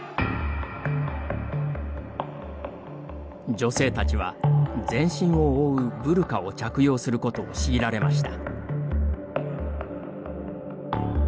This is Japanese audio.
女性たちは全身を覆うブルカを着用することを強いられました。